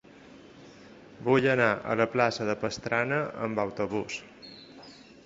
Vull anar a la plaça de Pastrana amb autobús.